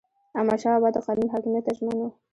احمدشاه بابا د قانون حاکمیت ته ژمن و.